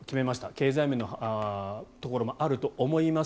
経済面のところもあると思います。